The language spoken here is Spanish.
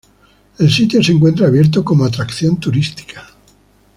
El sitio se encuentra abierto como atracción turística.